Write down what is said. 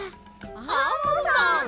アンモさん！